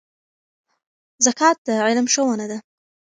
زکات د علم ښوونه ده.